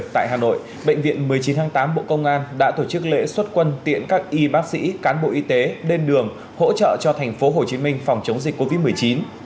tại hà nội bệnh viện một mươi chín tháng tám bộ công an đã tổ chức lễ xuất quân tiện các y bác sĩ cán bộ y tế bên đường hỗ trợ cho thành phố hồ chí minh phòng chống dịch covid một mươi chín